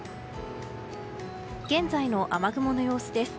現在の雨雲の様子です。